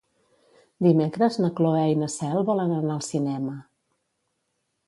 Dimecres na Cloè i na Cel volen anar al cinema.